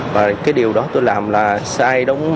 và cái điều đó tôi làm là sai đúng